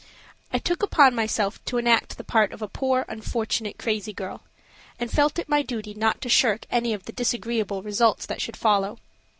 I took upon myself to enact the part of a poor, unfortunate crazy girl, and felt it my duty not to shirk any of the disagreeable results that should follow.